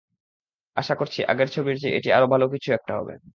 আশা করছি, আগের ছবির চেয়ে এটি আরও ভালো কিছু একটা হবে।